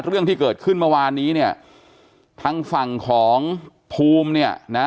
เรื่องที่เกิดขึ้นเมื่อวานนี้เนี่ยทางฝั่งของภูมิเนี่ยนะ